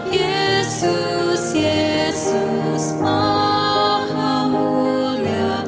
yesus yesus maha mulia